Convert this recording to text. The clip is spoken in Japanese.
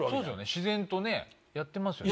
自然とやってますよね。